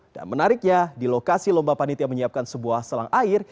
dan menariknya di lokasi lomba panitia menyiapkan sebuah selang air